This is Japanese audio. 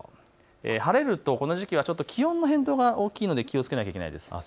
晴れるとこの時期は気温の変動が大きいので気をつけないとといけないです。